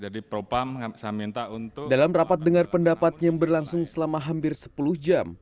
dari propam dalam rapat dengar pendapat yang berlangsung selama hampir sepuluh jam